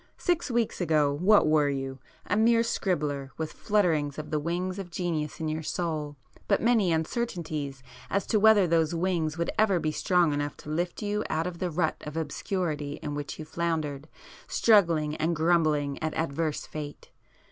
Six weeks ago, what were you? A mere scribbler, with flutterings of the wings of genius in your soul, but many uncertainties as to whether those wings would ever be strong enough to lift you out of the rut of obscurity [p 94] in which you floundered, struggling and grumbling at adverse fate.